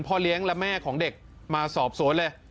เลี้ยงและแม่ของเด็กมาสอบสวนเลย